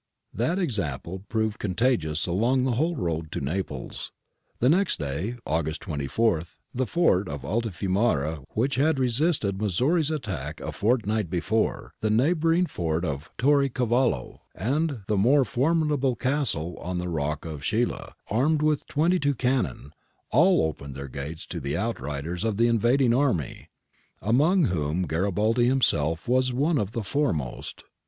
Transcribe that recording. That example proved contagious along the whole road to Naples. The next day, August 24, the fort of Altifiumara, which had resisted Missori's attack a fort night before, the neighbouring fort of Torre Cavallo, and the more formidable castle on the rock of Scilla, armed with twenty two cannon, all opened their gates to the outriders of the invading army, among whom Garibaldi himself was one of the foremost.